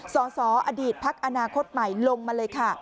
สอสออดีตพักอนาคตใหม่ลงมาเลยค่ะ